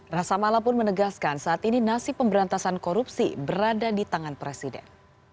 rasa mala pun menegaskan saat ini nasib pemberantasan korupsi berada di tangan presiden